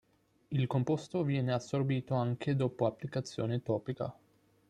Il composto viene assorbito anche dopo applicazione topica.